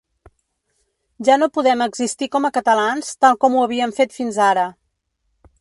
Ja no podem existir com a catalans tal com ho havíem fet fins ara.